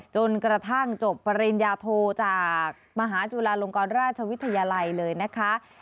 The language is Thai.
จนกระทั่งจบปริญญาโทจากมหาจุฬาลงกรราชวิทยาลัยเลยนะคะ